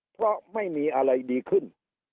เพราะไม่มีอะไรดีขึ้น